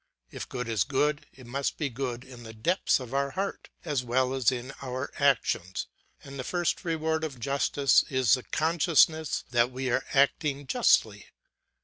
If good is good, it must be good in the depth of our heart as well as in our actions; and the first reward of justice is the consciousness that we are acting justly.